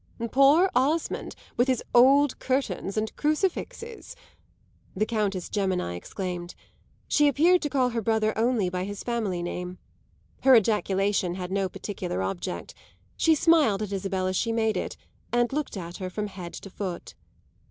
"Poor Osmond, with his old curtains and crucifixes!" the Countess Gemini exclaimed: she appeared to call her brother only by his family name. Her ejaculation had no particular object; she smiled at Isabel as she made it and looked at her from head to foot.